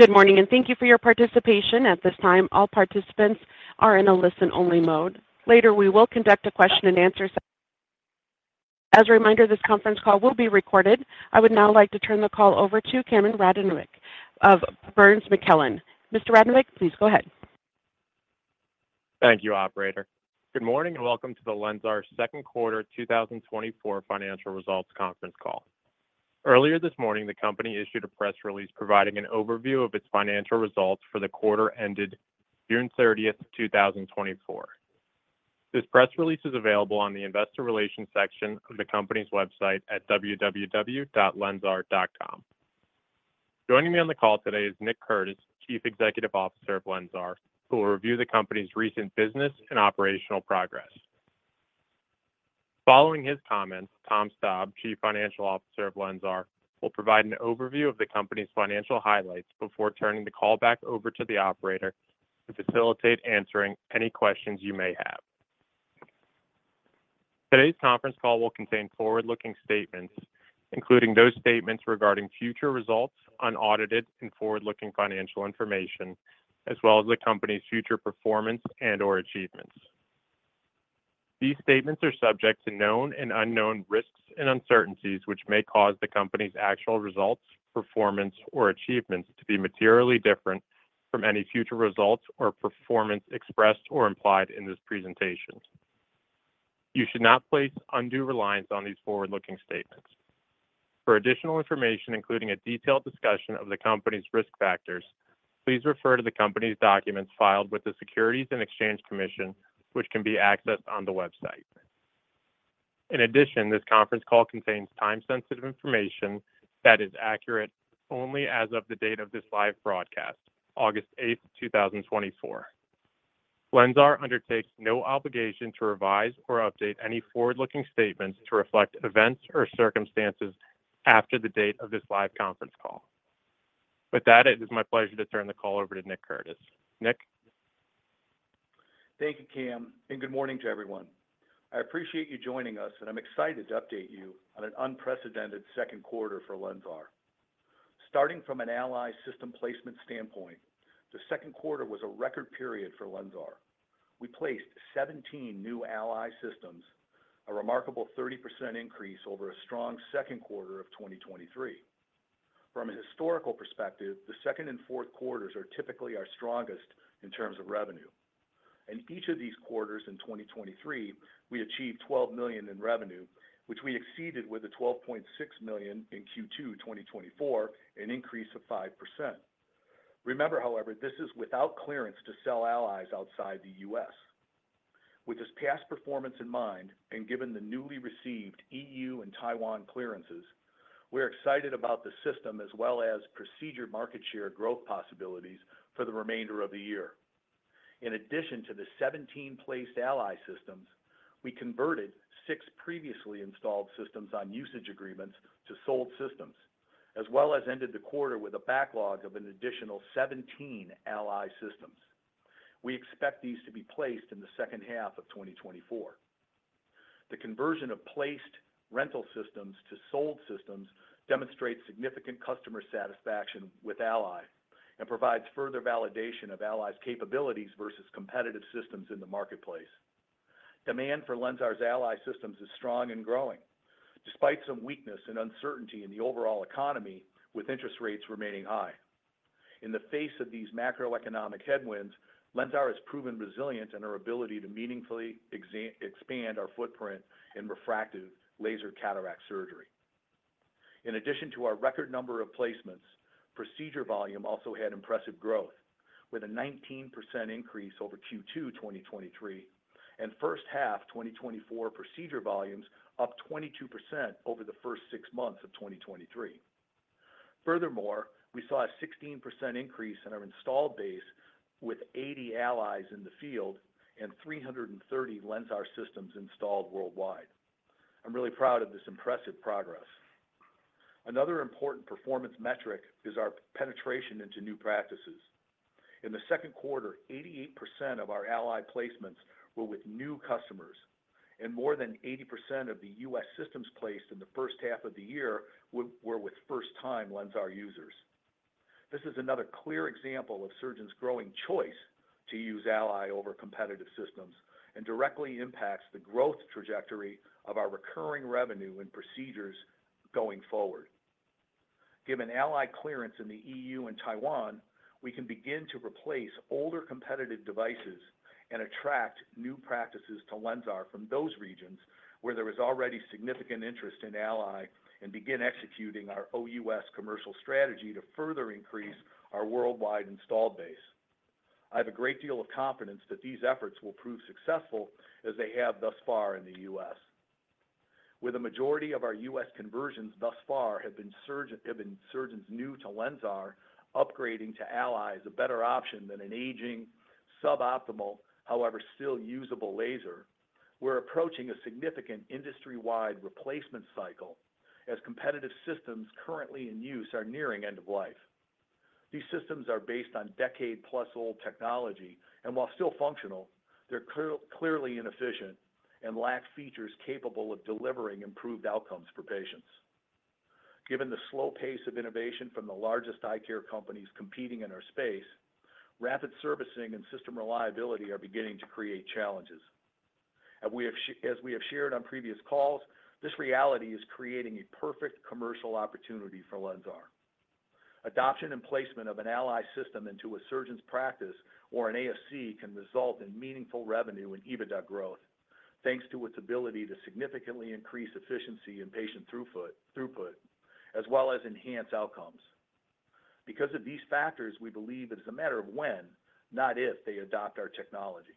Good morning, and thank you for your participation. At this time, all participants are in a listen-only mode. Later, we will conduct a question-and-answer session. As a reminder, this conference call will be recorded. I would now like to turn the call over to Cameron Radinick of Burns McClellan. Mr. Radinick, please go ahead. Thank you, operator. Good morning, and welcome to the LENSAR Second Quarter 2024 Financial Results Conference Call. Earlier this morning, the company issued a press release providing an overview of its financial results for the quarter ended June 30, 2024. This press release is available on the investor relations section of the company's website at www.lensar.com. Joining me on the call today is Nick Curtis, Chief Executive Officer of LENSAR, who will review the company's recent business and operational progress. Following his comments, Tom Staab, Chief Financial Officer of LENSAR, will provide an overview of the company's financial highlights before turning the call back over to the operator to facilitate answering any questions you may have. Today's conference call will contain forward-looking statements, including those statements regarding future results on audited and forward-looking financial information, as well as the company's future performance and/or achievements. These statements are subject to known and unknown risks and uncertainties, which may cause the company's actual results, performance, or achievements to be materially different from any future results or performance expressed or implied in this presentation. You should not place undue reliance on these forward-looking statements. For additional information, including a detailed discussion of the company's risk factors, please refer to the company's documents filed with the Securities and Exchange Commission, which can be accessed on the website. In addition, this conference call contains time-sensitive information that is accurate only as of the date of this live broadcast, August 8, 2024. LENSAR undertakes no obligation to revise or update any forward-looking statements to reflect events or circumstances after the date of this live conference call. With that, it is my pleasure to turn the call over to Nick Curtis. Nick? Thank you, Cam, and good morning to everyone. I appreciate you joining us, and I'm excited to update you on an unprecedented second quarter for LENSAR. Starting from an ALLY system placement standpoint, the second quarter was a record period for LENSAR. We placed 17 new ALLY systems, a remarkable 30%, increase over a strong second quarter of 2023. From a historical perspective, the second and fourth quarters are typically our strongest in terms of revenue. In each of these quarters in 2023, we achieved $12 million in revenue, which we exceeded with the $12.6 million in Q2 2024, an increase of 5%. Remember, however, this is without clearance to sell Allies outside the U.S. With this past performance in mind, and given the newly received EU and Taiwan clearances, we're excited about the system as well as procedure market share growth possibilities for the remainder of the year. In addition to the 17 placed ALLY systems, we converted six previously installed systems on usage agreements to sold systems, as well as ended the quarter with a backlog of an additional 17 ALLY systems. We expect these to be placed in the second half of 2024. The conversion of placed rental systems to sold systems demonstrates significant customer satisfaction with ALLY and provides further validation of ALLY's capabilities versus competitive systems in the marketplace. Demand for LENSAR's ALLY systems is strong and growing, despite some weakness and uncertainty in the overall economy, with interest rates remaining high. In the face of these macroeconomic headwinds, LENSAR has proven resilient in our ability to meaningfully expand our footprint in refractive laser cataract surgery. In addition to our record number of placements, procedure volume also had impressive growth, with a 19%, increase over Q2 2023, and first half 2024 procedure volumes up 22%, over the first six months of 2023. Furthermore, we saw a 16%, increase in our installed base with 80 ALLY's in the field and 330 LENSAR systems installed worldwide. I'm really proud of this impressive progress. Another important performance metric is our penetration into new practices. In the second quarter, 88%, of our ALLY placements were with new customers, and more than 80% of the U.S. systems placed in the first half of the year were with first-time LENSAR users. This is another clear example of surgeons growing choice to use ALLY over competitive systems and directly impacts the growth trajectory of our recurring revenue and procedures going forward. Given ALLY clearance in the E.U. and Taiwan, we can begin to replace older competitive devices and attract new practices to LENSAR from those regions where there is already significant interest in ALLY, and begin executing our OUS commercial strategy to further increase our worldwide installed base. I have a great deal of confidence that these efforts will prove successful as they have thus far in the U.S. With the majority of our U.S. conversions thus far have been surgeons new to LENSAR, upgrading to ALLY is a better option than an aging, suboptimal, however, still usable laser. We're approaching a significant industry-wide replacement cycle as competitive systems currently in use are nearing end of life. These systems are based on decade-plus-old technology, and while still functional, they're clearly inefficient... and lack features capable of delivering improved outcomes for patients. Given the slow pace of innovation from the largest eye care companies competing in our space, rapid servicing and system reliability are beginning to create challenges. And as we have shared on previous calls, this reality is creating a perfect commercial opportunity for LENSAR. Adoption and placement of an ALLY system into a surgeon's practice or an ASC, can result in meaningful revenue and EBITDA growth, thanks to its ability to significantly increase efficiency and patient throughput, as well as enhance outcomes. Because of these factors, we believe it is a matter of when, not if, they adopt our technology.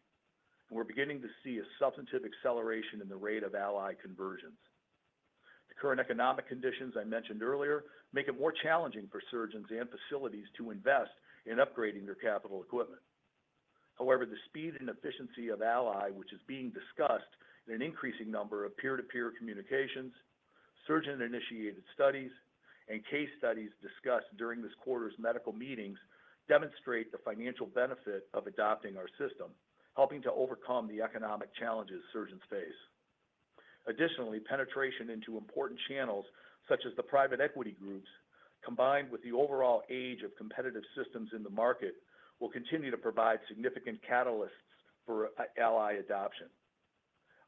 And we're beginning to see a substantive acceleration in the rate of ALLY conversions. The current economic conditions I mentioned earlier, make it more challenging for surgeons and facilities to invest in upgrading their capital equipment. However, the speed and efficiency of ALLY, which is being discussed in an increasing number of peer-to-peer communications, surgeon-initiated studies, and case studies discussed during this quarter's medical meetings, demonstrate the financial benefit of adopting our system, helping to overcome the economic challenges surgeons face. Additionally, penetration into important channels such as the private equity groups, combined with the overall age of competitive systems in the market, will continue to provide significant catalysts for ALLY adoption.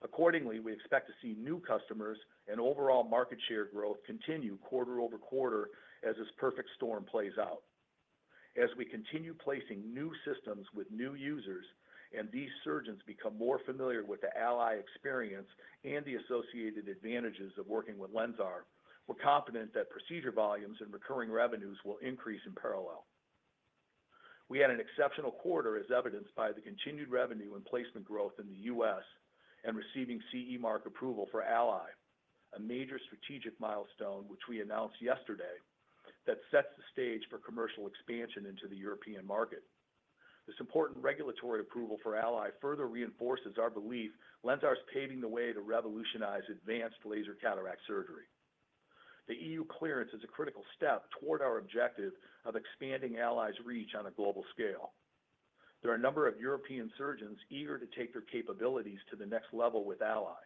Accordingly, we expect to see new customers and overall market share growth continue quarter over quarter as this perfect storm plays out. As we continue placing new systems with new users, and these surgeons become more familiar with the ALLY experience and the associated advantages of working with LENSAR, we're confident that procedure volumes and recurring revenues will increase in parallel. We had an exceptional quarter, as evidenced by the continued revenue and placement growth in the U.S., and receiving CE Mark approval for ALLY, a major strategic milestone, which we announced yesterday, that sets the stage for commercial expansion into the European market. This important regulatory approval for ALLY further reinforces our belief LENSAR is paving the way to revolutionize advanced laser cataract surgery. The E.U. clearance is a critical step toward our objective of expanding ALLY's reach on a global scale. There are a number of European surgeons eager to take their capabilities to the next level with ALLY.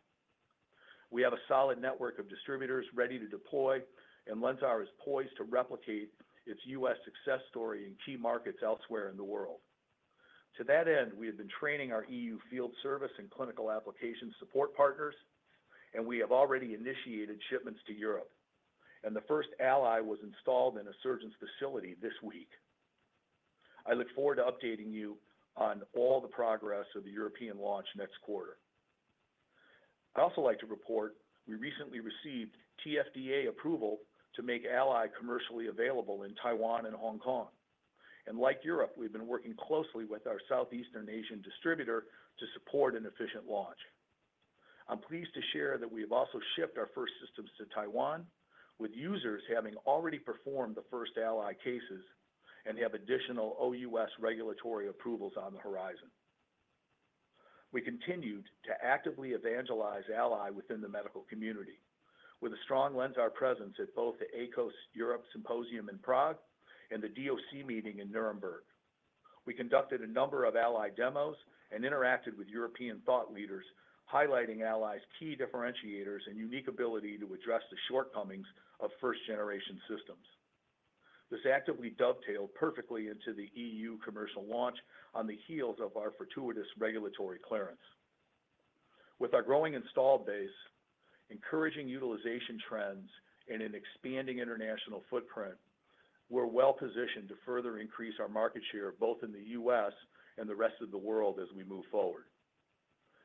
We have a solid network of distributors ready to deploy, and LENSAR is poised to replicate its U.S. success story in key markets elsewhere in the world. To that end, we have been training our E.U. field service and clinical application support partners, and we have already initiated shipments to Europe, and the first ALLY was installed in a surgeon's facility this week. I look forward to updating you on all the progress of the European launch next quarter. I'd also like to report we recently received TFDA approval to make ALLY commercially available in Taiwan and Hong Kong. Like Europe, we've been working closely with our Southeast Asian distributor to support an efficient launch. I'm pleased to share that we have also shipped our first systems to Taiwan, with users having already performed the first ALLY cases and have additional OUS regulatory approvals on the horizon. We continued to actively evangelize ALLY within the medical community, with a strong LENSAR presence at both the AECOS Europe Symposium in Prague and the DOC meeting in Nuremberg. We conducted a number of ALLY demos and interacted with European thought leaders, highlighting ALLY's key differentiators and unique ability to address the shortcomings of first-generation systems. This actively dovetailed perfectly into the EU commercial launch on the heels of our fortuitous regulatory clearance. With our growing installed base, encouraging utilization trends, and an expanding international footprint, we're well positioned to further increase our market share, both in the U.S. and the rest of the world as we move forward.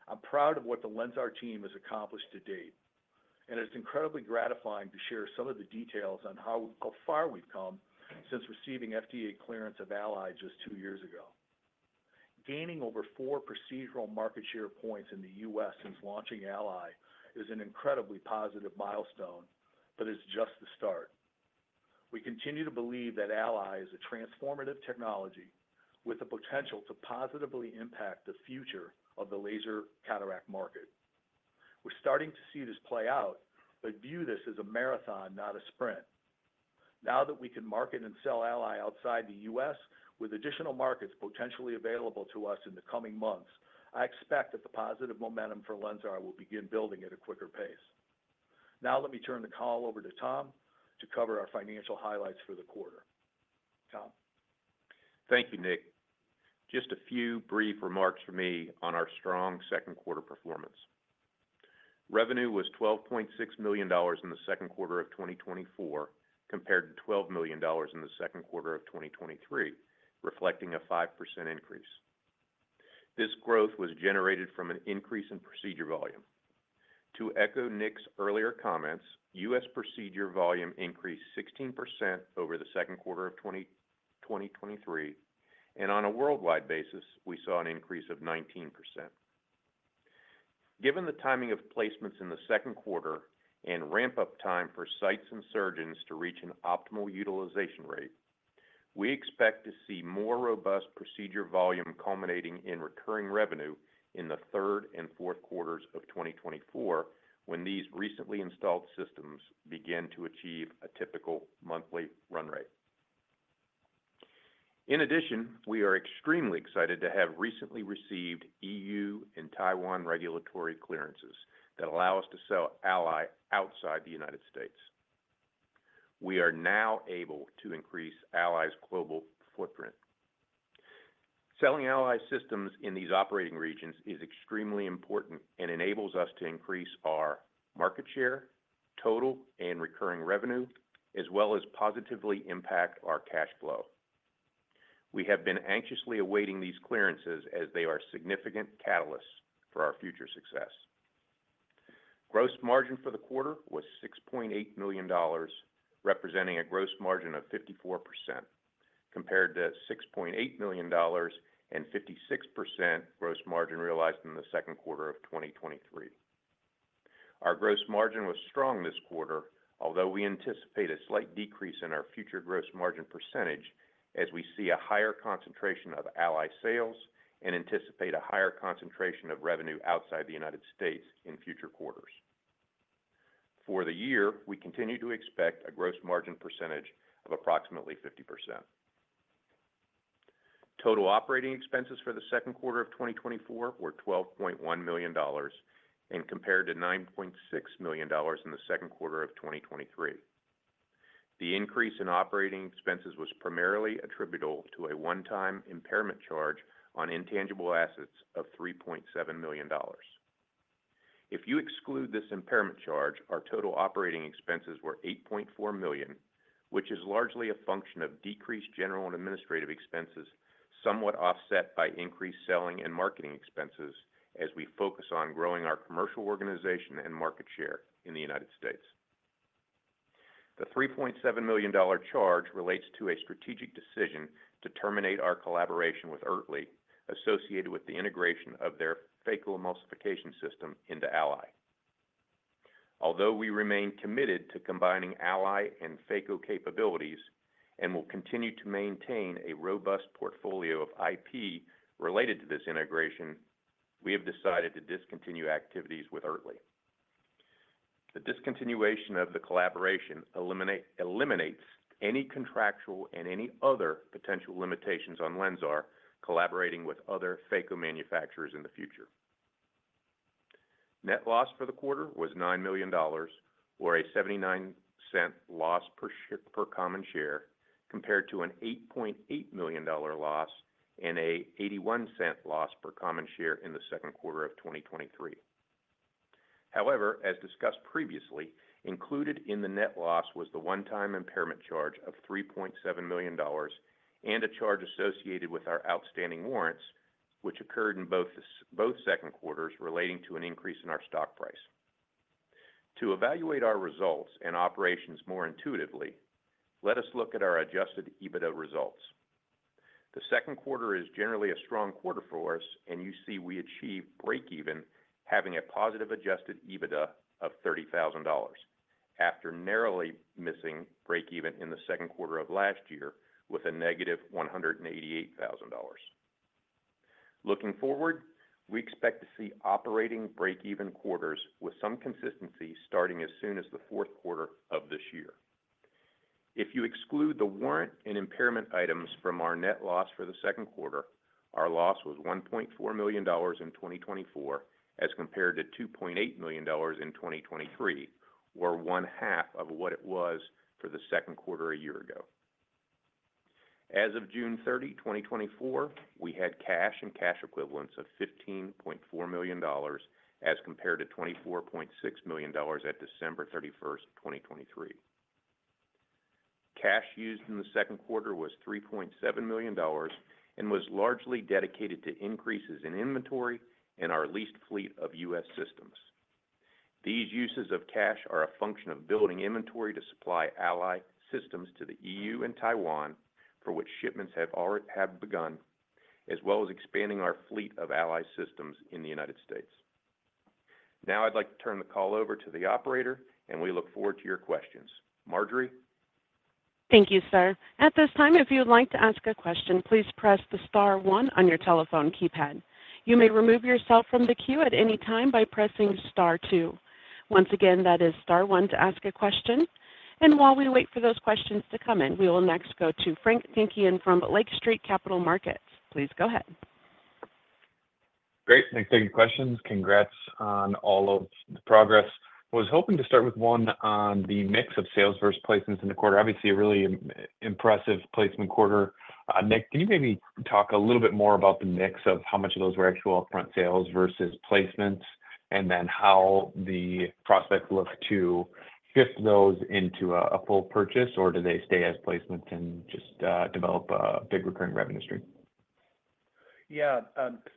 I'm proud of what the LENSAR team has accomplished to date, and it's incredibly gratifying to share some of the details on how far we've come since receiving FDA clearance of ALLY just two years ago. Gaining over four procedural market share points in the U.S. since launching ALLY is an incredibly positive milestone, but it's just the start. We continue to believe that ALLY is a transformative technology with the potential to positively impact the future of the laser cataract market. We're starting to see this play out, but view this as a marathon, not a sprint. Now that we can market and sell ALLY outside the U.S., with additional markets potentially available to us in the coming months, I expect that the positive momentum for LENSAR will begin building at a quicker pace. Now, let me turn the call over to Tom to cover our financial highlights for the quarter. Tom? Thank you, Nick. Just a few brief remarks from me on our strong second quarter performance. Revenue was $12.6 million in the second quarter of 2024, compared to $12 million in the second quarter of 2023, reflecting a 5% increase. This growth was generated from an increase in procedure volume. To echo Nick's earlier comments, US procedure volume increased 16%, over the second quarter of 2023, and on a worldwide basis, we saw an increase of 19%. Given the timing of placements in the second quarter and ramp-up time for sites and surgeons to reach an optimal utilization rate, we expect to see more robust procedure volume culminating in recurring revenue in the third and fourth quarters of 2024, when these recently installed systems begin to achieve a typical monthly run rate. In addition, we are extremely excited to have recently received EU and Taiwan regulatory clearances that allow us to sell ALLY outside the United States. We are now able to increase ALLY's global footprint. Selling ALLY systems in these operating regions is extremely important and enables us to increase our market share, total and recurring revenue, as well as positively impact our cash flow. We have been anxiously awaiting these clearances as they are significant catalysts for our future success. Gross margin for the quarter was $6.8 million, representing a gross margin of 54%, compared to $6.8 million and 56%, gross margin realized in the second quarter of 2023. Our gross margin was strong this quarter, although we anticipate a slight decrease in our future gross margin percentage as we see a higher concentration of ALLY sales and anticipate a higher concentration of revenue outside the United States in future quarters. For the year, we continue to expect a gross margin percentage of approximately 50%. Total operating expenses for the second quarter of 2024 were $12.1 million, and compared to $9.6 million in the second quarter of 2023. The increase in operating expenses was primarily attributable to a one-time impairment charge on intangible assets of $3.7 million. If you exclude this impairment charge, our total operating expenses were $8.4 million, which is largely a function of decreased general and administrative expenses, somewhat offset by increased selling and marketing expenses as we focus on growing our commercial organization and market share in the United States. The $3.7 million charge relates to a strategic decision to terminate our collaboration with Oertli, associated with the integration of their phacoemulsification system into ALLY. Although we remain committed to combining ALLY and phaco capabilities, and will continue to maintain a robust portfolio of IP related to this integration, we have decided to discontinue activities with Oertli. The discontinuation of the collaboration eliminates any contractual and any other potential limitations on LENSAR collaborating with other phaco manufacturers in the future. Net loss for the quarter was $9 million, or a $0.79 loss per common share, compared to an $8.8 million loss and an $0.81 loss per common share in the second quarter of 2023. However, as discussed previously, included in the net loss was the one-time impairment charge of $3.7 million and a charge associated with our outstanding warrants, which occurred in both second quarters relating to an increase in our stock price. To evaluate our results and operations more intuitively, let us look at our adjusted EBITDA results. The second quarter is generally a strong quarter for us, and you see we achieved breakeven, having a positive adjusted EBITDA of $30,000, after narrowly missing breakeven in the second quarter of last year with a negative $188,000. Looking forward, we expect to see operating breakeven quarters with some consistency starting as soon as the fourth quarter of this year. If you exclude the warrant and impairment items from our net loss for the second quarter, our loss was $1.4 million in 2024, as compared to $2.8 million in 2023, or one half of what it was for the second quarter a year ago. As of June 30, 2024, we had cash and cash equivalents of $15.4 million, as compared to $24.6 million at December 31, 2023. Cash used in the second quarter was $3.7 million and was largely dedicated to increases in inventory and our leased fleet of U.S. systems. These uses of cash are a function of building inventory to supply ALLY systems to the EU and Taiwan, for which shipments have begun, as well as expanding our fleet of ALLY systems in the United States. Now, I'd like to turn the call over to the operator, and we look forward to your questions. Marjorie? Thank you, sir. At this time, if you would like to ask a question, please press the star one on your telephone keypad. You may remove yourself from the queue at any time by pressing star two. Once again, that is star one to ask a question. While we wait for those questions to come in, we will next go to Frank Takkinen from Lake Street Capital Markets. Please go ahead. Great. Thanks for taking the questions. Congrats on all of the progress. I was hoping to start with one on the mix of sales versus placements in the quarter. Obviously, a really impressive placement quarter. Nick, can you maybe talk a little bit more about the mix of how much of those were actual upfront sales versus placements, and then how the prospects look to shift those into a full purchase, or do they stay as placements and just develop a big recurring revenue stream? Yeah.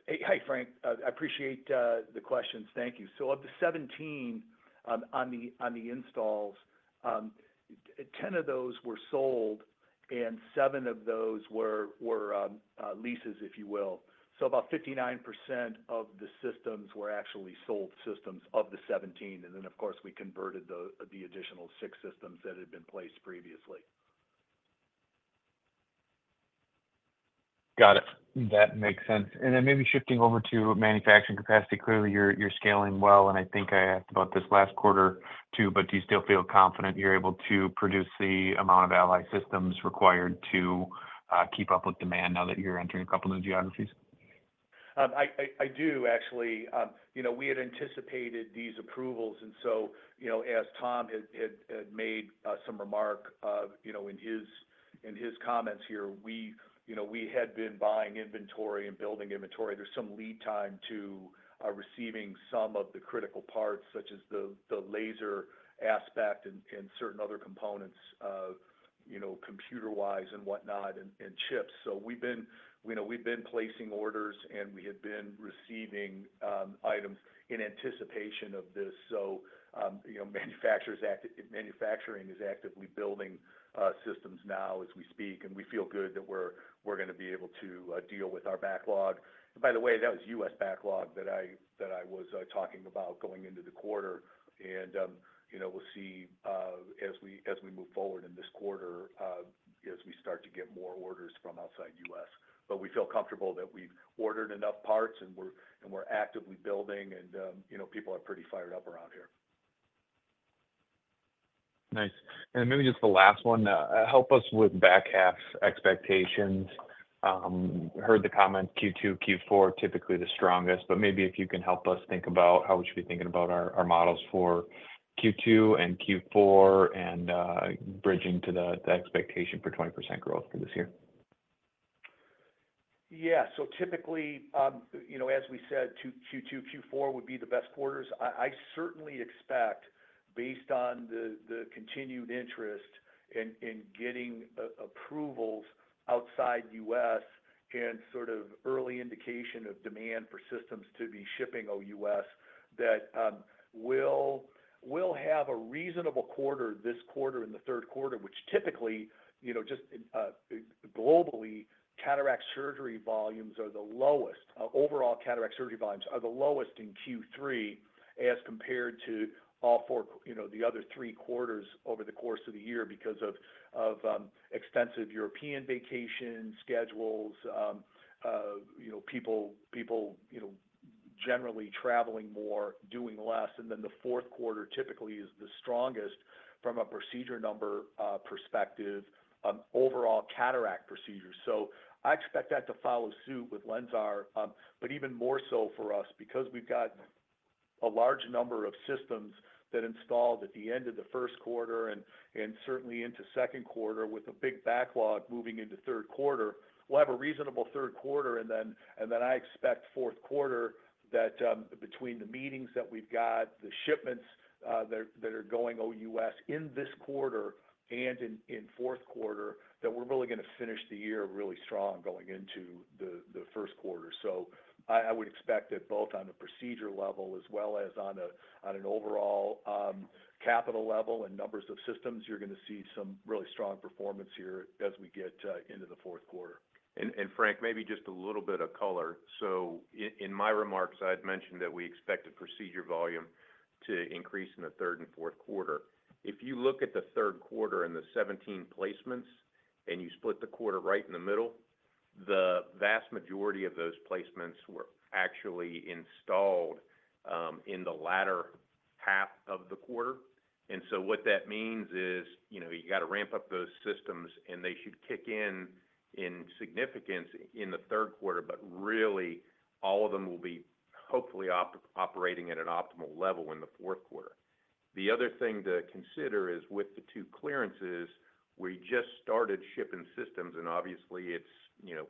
Hey, hi, Frank. I appreciate the questions. Thank you. So of the 17 on the installs, 10 of those were sold and 7 of those were leases, if you will. So about 59%, of the systems were actually sold systems of the 17, and then, of course, we converted the additional 6 systems that had been placed previously.... Got it. That makes sense. And then maybe shifting over to manufacturing capacity. Clearly, you're scaling well, and I think I asked about this last quarter, too, but do you still feel confident you're able to produce the amount of ALLY systems required to keep up with demand now that you're entering a couple new geographies? I do, actually. You know, we had anticipated these approvals, and so, you know, as Tom had made some remark of, you know, in his comments here, we, you know, we had been buying inventory and building inventory. There's some lead time to receiving some of the critical parts, such as the laser aspect and certain other components of, you know, computer-wise and whatnot, and chips. So we've been, you know, we've been placing orders, and we had been receiving items in anticipation of this. So, you know, manufacturing is actively building systems now as we speak, and we feel good that we're gonna be able to deal with our backlog. By the way, that was US backlog that I was talking about going into the quarter. You know, we'll see as we move forward in this quarter, as we start to get more orders from outside U.S. But we feel comfortable that we've ordered enough parts, and we're actively building, and you know, people are pretty fired up around here. Nice. And maybe just the last one, help us with back half expectations. Heard the comment Q2, Q4, typically the strongest, but maybe if you can help us think about how we should be thinking about our, our models for Q2 and Q4, and, bridging to the, the expectation for 20%, growth for this year. Yeah. So typically, you know, as we said, Q2, Q4 would be the best quarters. I certainly expect, based on the continued interest in getting approvals outside US and sort of early indication of demand for systems to be shipping OUS, that we'll have a reasonable quarter this quarter, in the third quarter, which typically, you know, just globally, cataract surgery volumes are the lowest, overall, cataract surgery volumes are the lowest in Q3 as compared to all four, you know, the other three quarters over the course of the year, because of extensive European vacation schedules, you know, people, you know, generally traveling more, doing less. And then the fourth quarter typically is the strongest from a procedure number perspective, overall cataract procedures. So I expect that to follow suit with LenSx, but even more so for us, because we've got a large number of systems that installed at the end of the first quarter and certainly into second quarter, with a big backlog moving into third quarter. We'll have a reasonable third quarter, and then I expect fourth quarter that between the meetings that we've got, the shipments that are going OUS in this quarter and in fourth quarter, that we're really gonna finish the year really strong going into the first quarter. So I would expect that both on a procedure level as well as on an overall capital level and numbers of systems, you're gonna see some really strong performance here as we get into the fourth quarter. Frank, maybe just a little bit of color. So in my remarks, I had mentioned that we expect the procedure volume to increase in the third and fourth quarter. If you look at the third quarter and the 17 placements, and you split the quarter right in the middle, the vast majority of those placements were actually installed in the latter half of the quarter. And so what that means is, you know, you got to ramp up those systems, and they should kick in significance in the third quarter, but really, all of them will be hopefully operating at an optimal level in the fourth quarter. The other thing to consider is with the 2 clearances, we just started shipping systems, and obviously, it's, you know,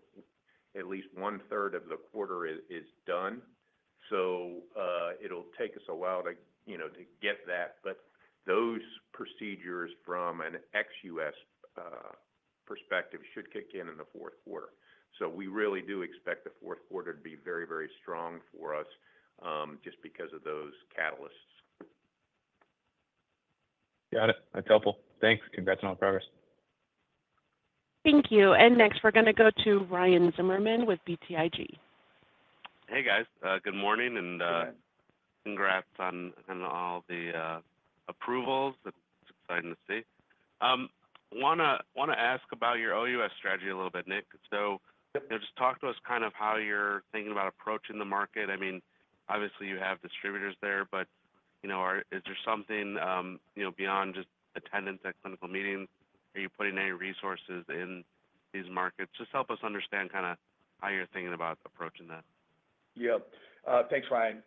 at least one third of the quarter is done. So, it'll take us a while to, you know, to get that. But those procedures from an ex-US perspective should kick in in the fourth quarter. So we really do expect the fourth quarter to be very, very strong for us, just because of those catalysts. Got it. That's helpful. Thanks. Congrats on all the progress. Thank you. Next, we're gonna go to Ryan Zimmerman with BTIG. Hey, guys. Good morning, and Good morning. Congrats on all the approvals. It's exciting to see. Wanna ask about your OUS strategy a little bit, Nick. So, just talk to us kind of how you're thinking about approaching the market. I mean, obviously, you have distributors there, but, you know, is there something, you know, beyond just attendance at clinical meetings? Are you putting any resources in these markets? Just help us understand kind of how you're thinking about approaching that. Yeah. Thanks, Ryan.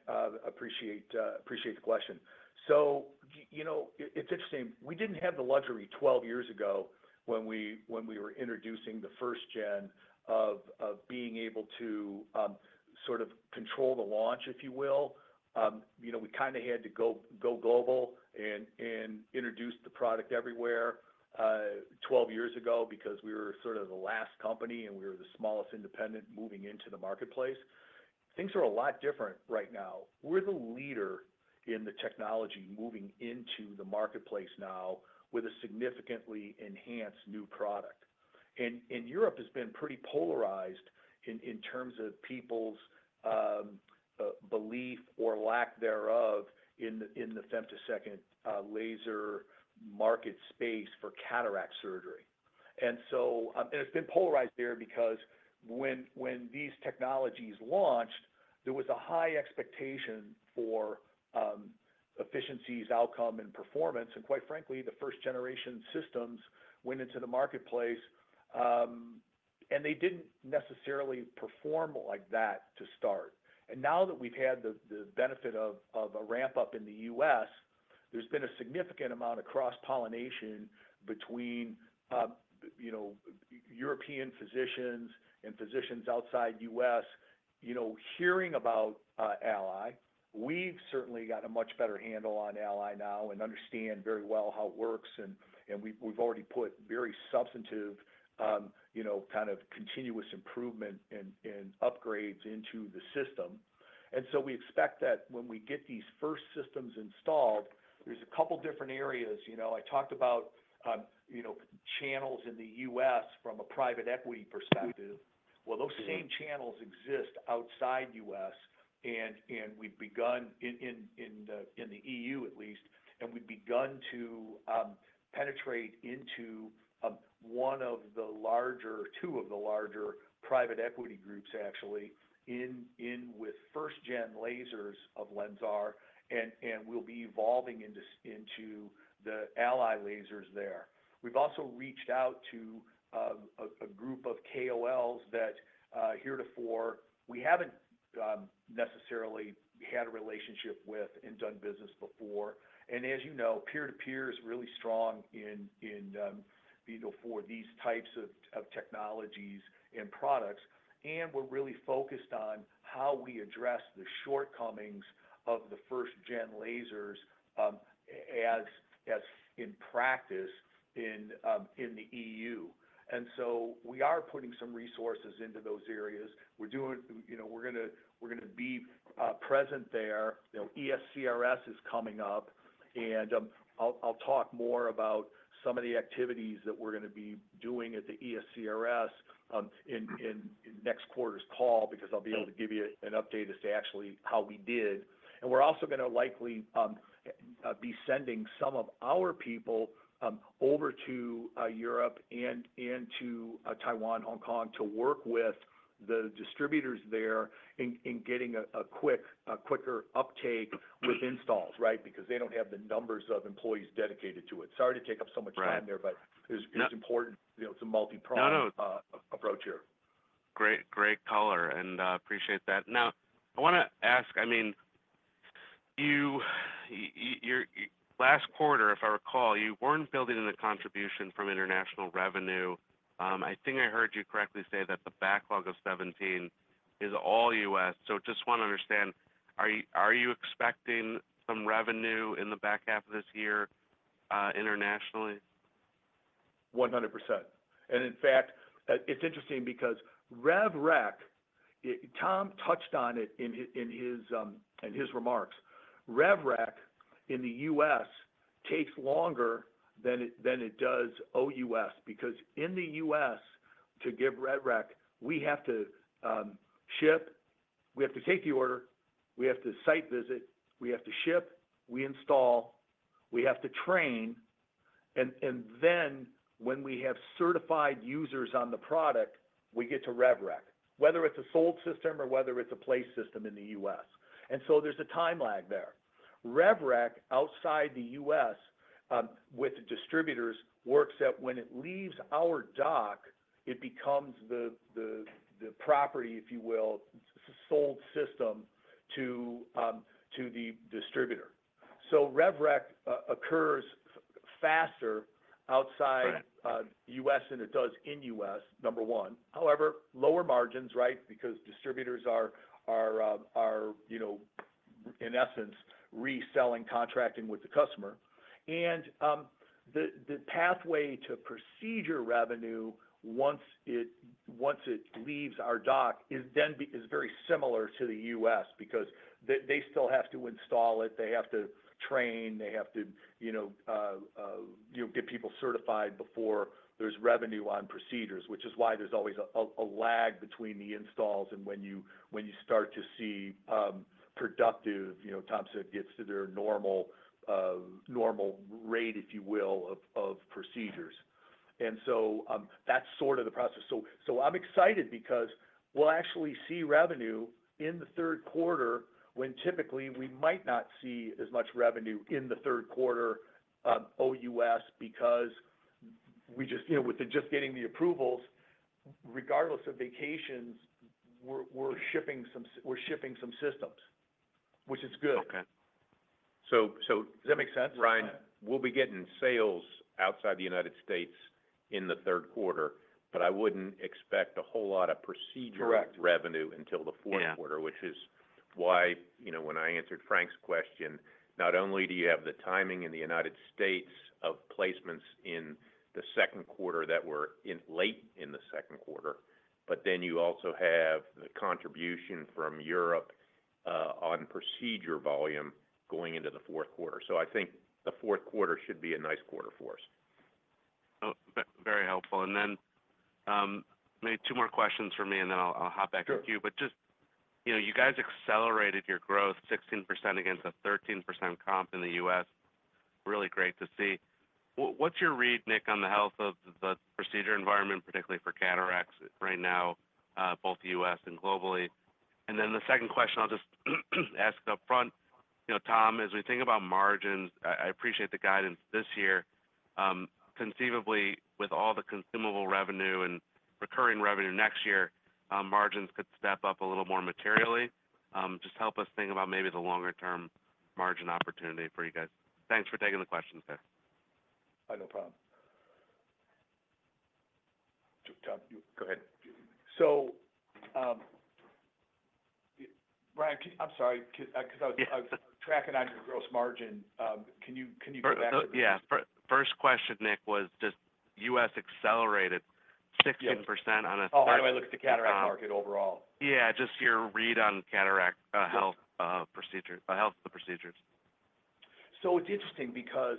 Appreciate the question. So, you know, it's interesting. We didn't have the luxury 12 years ago when we were introducing the first gen of being able to sort of control the launch, if you will. You know, we kinda had to go global and introduce the product everywhere 12 years ago, because we were sort of the last company, and we were the smallest independent moving into the marketplace. Things are a lot different right now. We're the leader in the technology moving into the marketplace now, with a significantly enhanced new product. And Europe has been pretty polarized in terms of people's belief or lack thereof in the femtosecond laser market space for cataract surgery.... It's been polarized there because when these technologies launched, there was a high expectation for efficiencies, outcome, and performance. Quite frankly, the first-generation systems went into the marketplace, and they didn't necessarily perform like that to start. Now that we've had the benefit of a ramp-up in the U.S., there's been a significant amount of cross-pollination between, you know, European physicians and physicians outside the U.S., you know, hearing about ALLY. We've certainly got a much better handle on ALLY now and understand very well how it works, and we've already put very substantive, you know, kind of continuous improvement and upgrades into the system. So we expect that when we get these first systems installed, there's a couple different areas. You know, I talked about, you know, channels in the U.S. from a private equity perspective. Well, those same channels exist outside U.S., and we've begun in the EU at least, and we've begun to penetrate into one of the larger... Two of the larger private equity groups, actually, in with first-gen lasers of LENSAR, and we'll be evolving into the ALLY lasers there. We've also reached out to a group of KOLs that heretofore we haven't necessarily had a relationship with and done business before. And as you know, peer-to-peer is really strong in, you know, for these types of technologies and products. And we're really focused on how we address the shortcomings of the first-gen lasers, as in practice in the EU. And so we are putting some resources into those areas. We're doing, you know, we're gonna be present there. You know, ESCRS is coming up, and, I'll talk more about some of the activities that we're gonna be doing at the ESCRS, in next quarter's call, because I'll be able to give you an update as to actually how we did. And we're also gonna likely be sending some of our people over to Europe and to Taiwan, Hong Kong, to work with the distributors there in getting a quicker uptake with installs, right? Because they don't have the numbers of employees dedicated to it. Sorry to take up so much time there. Right. But it's, it's important. No. You know, it's a multiprong- No, no... approach here. Great, great color, and appreciate that. Now, I wanna ask, I mean, your last quarter, if I recall, you weren't building in the contribution from international revenue. I think I heard you correctly say that the backlog of 17 is all U.S. So just want to understand, are you expecting some revenue in the back half of this year, internationally? 100%. And in fact, it's interesting because rev rec, Tom touched on it in his remarks. Rev rec in the U.S. takes longer than it does OUS. Because in the U.S., to give rev rec, we have to ship. We have to take the order, we have to site visit, we have to ship, we install, we have to train, and then when we have certified users on the product, we get to rev rec, whether it's a sold system or whether it's a placed system in the U.S. And so there's a time lag there. Rev rec, outside the U.S., with the distributors, works that when it leaves our dock, it becomes the property, if you will, sold system to the distributor. So rev rec occurs faster outside- Right... U.S. than it does in U.S., number one. However, lower margins, right? Because distributors are, you know, in essence reselling, contracting with the customer. And, the pathway to procedure revenue, once it leaves our dock, is very similar to the U.S. because they still have to install it, they have to train, they have to, you know, get people certified before there's revenue on procedures, which is why there's always a lag between the installs and when you start to see, productive, Tom said, gets to their normal, normal rate, if you will, of procedures. And so, that's sort of the process. I'm excited because we'll actually see revenue in the third quarter, when typically we might not see as much revenue in the third quarter OUS, because we just, you know, with us just getting the approvals, regardless of vacations, we're shipping some systems, which is good. Okay. So, so does that make sense? Ryan, we'll be getting sales outside the United States in the third quarter, but I wouldn't expect a whole lot of procedure- Correct... revenue until the fourth quarter- Yeah... which is why, you know, when I answered Frank's question, not only do you have the timing in the United States of placements in the second quarter that were late in the second quarter, but then you also have the contribution from Europe on procedure volume going into the fourth quarter. So I think the fourth quarter should be a nice quarter for us. Oh, very helpful. And then maybe two more questions for me, and then I'll hop back to you. But just, you know, you guys accelerated your growth 16%, against a 13%, comp in the US. Really great to see. What's your read, Nick, on the health of the procedure environment, particularly for cataracts right now, both US and globally? And then the second question, I'll just ask upfront. You know, Tom, as we think about margins, I appreciate the guidance this year. Conceivably, with all the consumable revenue and recurring revenue next year, margins could step up a little more materially. Just help us think about maybe the longer-term margin opportunity for you guys. Thanks for taking the questions today. No problem. Tom, you go ahead. Ryan, I'm sorry, because I was Yeah. I was tracking on your gross margin. Can you, can you go back? Yeah. First question, Nick, was just U.S. accelerated 16%, on a- Oh, how do I look at the cataract market overall? Yeah, just your read on cataract health procedures. So it's interesting because,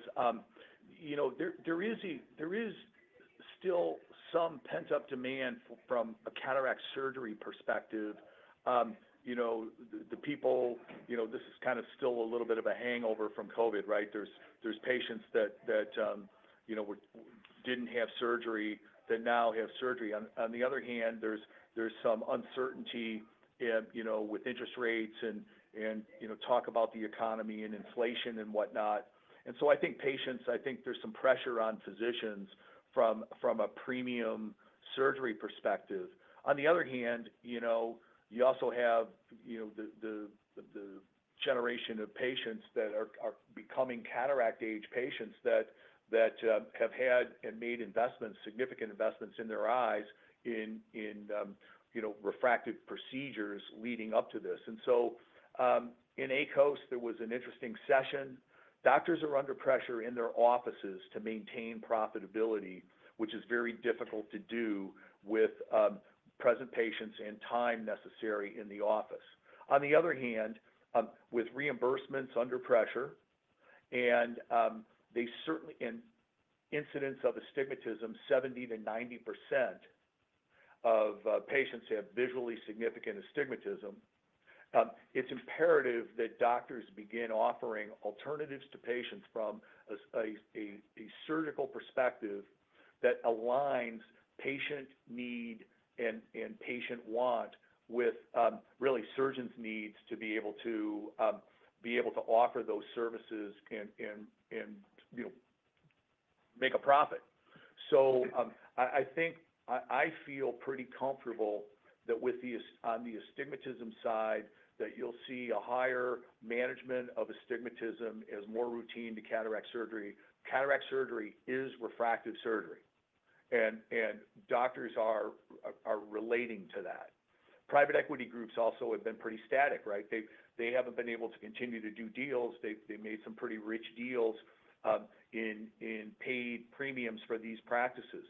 you know, there is still some pent-up demand from a cataract surgery perspective. You know, the people, you know, this is kind of still a little bit of a hangover from COVID, right? There's patients that, you know, didn't have surgery, that now have surgery. On the other hand, there's some uncertainty in, you know, with interest rates and, you know, talk about the economy and inflation and whatnot. And so I think patients, I think there's some pressure on physicians from a premium surgery perspective. On the other hand, you know, you also have, you know, the generation of patients that are becoming cataract age patients, that have had and made significant investments in their eyes in, you know, refractive procedures leading up to this. And so, in AECOS, there was an interesting session. Doctors are under pressure in their offices to maintain profitability, which is very difficult to do with present patients and time necessary in the office. On the other hand, with reimbursements under pressure, and, they certainly and incidence of astigmatism, 70%-90%, of patients have visually significant astigmatism. It's imperative that doctors begin offering alternatives to patients from a surgical perspective that aligns patient need and patient want with really surgeons' needs to be able to offer those services and, and you know, make a profit. So I think I feel pretty comfortable that with the on the astigmatism side, that you'll see a higher management of astigmatism as more routine to cataract surgery. Cataract surgery is refractive surgery, and doctors are relating to that. Private equity groups also have been pretty static, right? They haven't been able to continue to do deals. They made some pretty rich deals in paid premiums for these practices.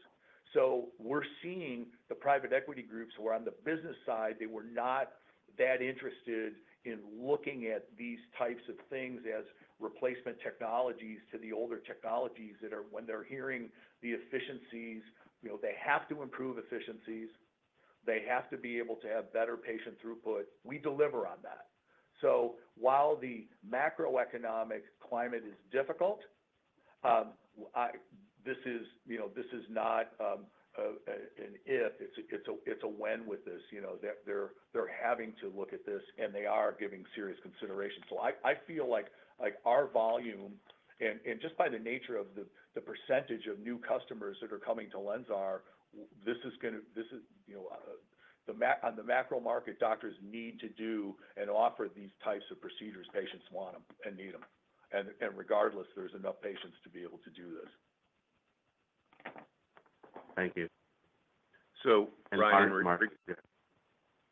So we're seeing the private equity groups, who are on the business side, they were not that interested in looking at these types of things as replacement technologies to the older technologies that are, when they're hearing the efficiencies, you know, they have to improve efficiencies, they have to be able to have better patient throughput. We deliver on that. So while the macroeconomic climate is difficult, this is, you know, this is not an if, it's a when with this, you know, they're having to look at this, and they are giving serious consideration. So I feel like, like, our volume and just by the nature of the percentage of new customers that are coming to LENSAR, this is gonna, this is, you know, on the macro market, doctors need to do and offer these types of procedures. Patients want them and need them. And regardless, there's enough patients to be able to do this. Thank you. So, Ryan- Margin, margin.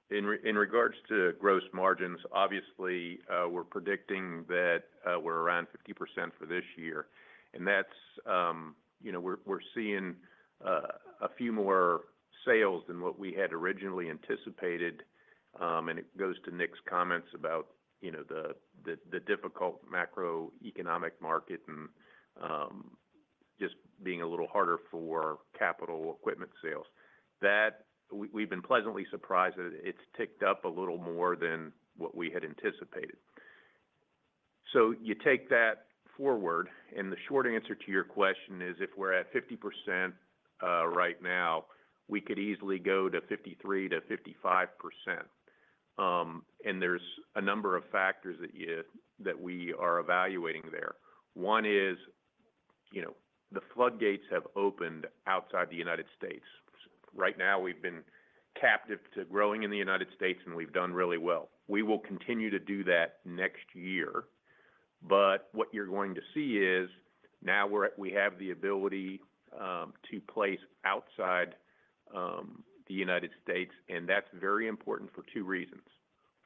In regards to gross margins, obviously, we're predicting that we're around 50%, for this year. And that's, you know, we're seeing a few more sales than what we had originally anticipated. And it goes to Nick's comments about, you know, the difficult macroeconomic market and just being a little harder for capital equipment sales. That, we've been pleasantly surprised that it's ticked up a little more than what we had anticipated. So you take that forward, and the short answer to your question is, if we're at 50%, right now, we could easily go to 53%-55%. And there's a number of factors that we are evaluating there. One is, you know, the floodgates have opened outside the United States. Right now, we've been captive to growing in the United States, and we've done really well. We will continue to do that next year, but what you're going to see is, now we have the ability to place outside the United States, and that's very important for two reasons.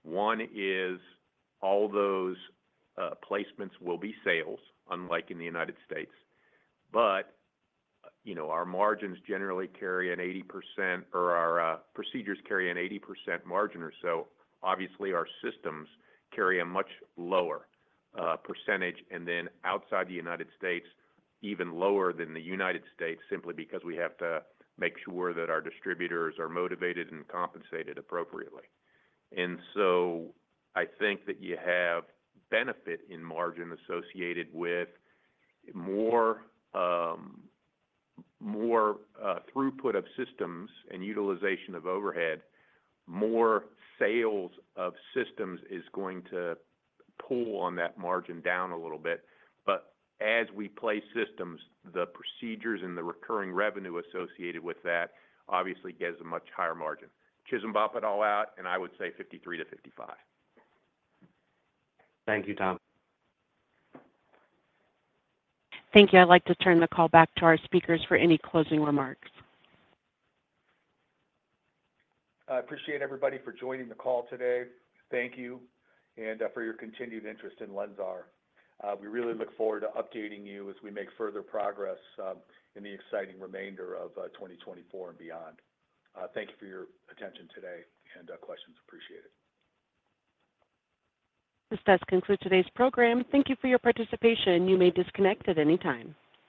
One is, all those placements will be sales, unlike in the United States. But, you know, our margins generally carry an 80%, or our procedures carry an 80%, margin or so. Obviously, our systems carry a much lower percentage, and then outside the United States, even lower than the United States, simply because we have to make sure that our distributors are motivated and compensated appropriately. And so I think that you have benefit in margin associated with more throughput of systems and utilization of overhead. More sales of systems is going to pull on that margin down a little bit, but as we place systems, the procedures and the recurring revenue associated with that obviously gives a much higher margin. It'll balance it all out, and I would say 53%-55%. Thank you, Tom. Thank you. I'd like to turn the call back to our speakers for any closing remarks. I appreciate everybody for joining the call today. Thank you, and for your continued interest in LENSAR. We really look forward to updating you as we make further progress in the exciting remainder of 2024 and beyond. Thank you for your attention today, and questions appreciated. This does conclude today's program. Thank you for your participation. You may disconnect at any time.